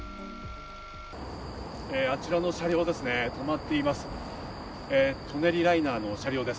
あちらの車両ですね、止まっています。